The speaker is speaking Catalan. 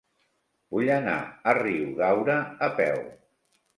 Vull anar a Riudaura a peu.